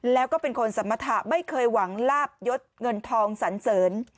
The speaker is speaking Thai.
แล้วก็เป็นคนสมรรถะไม่เคยหวังลาบยศเงินทองสันเสริญ